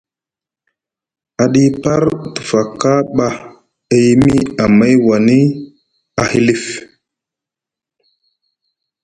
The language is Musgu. Aɗipar te faka ɓa e yimi amay woni a hilif.